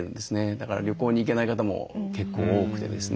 だから旅行に行けない方も結構多くてですね。